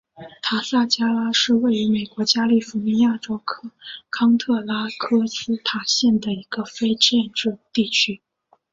塔萨加拉是位于美国加利福尼亚州康特拉科斯塔县的一个非建制地区。